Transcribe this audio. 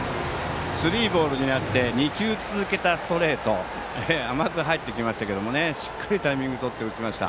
スリーボールになって２球続けたストレートが甘く入ってきましたけどしっかりタイミングをとって打ちました。